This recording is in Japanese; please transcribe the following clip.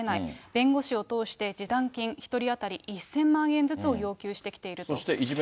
弁護士を通して示談金１人当たり１０００万円ずつを要求してきていると。